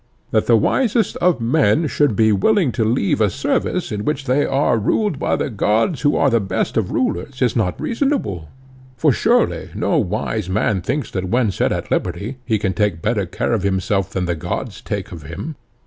That the wisest of men should be willing to leave a service in which they are ruled by the gods who are the best of rulers, is not reasonable; for surely no wise man thinks that when set at liberty he can take better care of himself than the gods take of him.